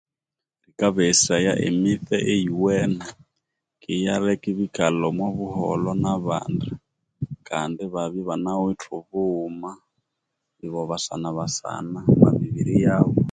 Yikabeyesaya emitse eyiwene iyaleka ibikalha omobulho nabandi Kandi ibabyabanawithe obughuma ibo basanabasana omomibiriyabo